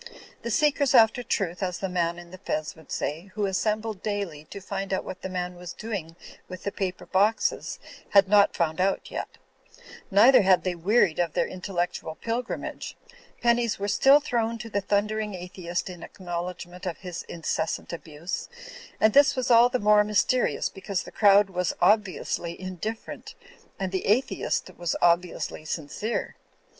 The seekers after truth (as the man in the fez would say) who assembled daily to find out what the man was doing with the paper boxes, had not found out yet ; neither had they wearied of their intellectual pilgrimage. Pennies were still thrown to the thundering atheist in acknowledgment of his incessant abuse ; and this was all the more mys terious because the crowd was obviously indifferent, and the atheist was obviously sincere.